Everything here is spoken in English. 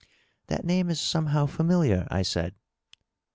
''" That name is somehow familiar,*' I said.